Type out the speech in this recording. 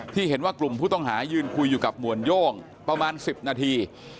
เห็นว่ากลุ่มผู้ต้องหายืนคุยอยู่กับหวนโย่งประมาณ๑๐นาที